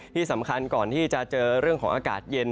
ที่สำคัญก่อนที่จะเจอเรื่องของอากาศเย็น